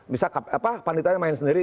bisa panitra main sendiri